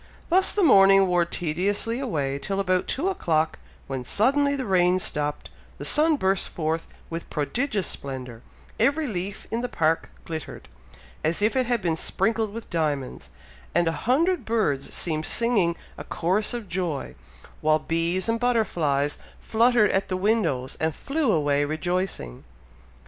Thus the morning wore tediously away till about two o'clock, when suddenly the rain stopped, the sun burst forth with prodigious splendour, every leaf in the park glittered, as if it had been sprinkled with diamonds, and a hundred birds seemed singing a chorus of joy, while bees and butterflies fluttered at the windows and flew away rejoicing.